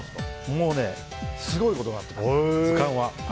もうねすごいことになってます、図鑑は。